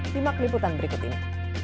simak liputan berikut ini